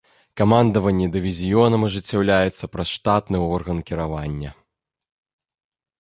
Камандаванне дывізіёнам ажыццяўляецца праз штатны орган кіравання.